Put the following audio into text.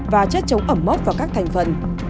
và chất chống ẩm mốc vào các thành phần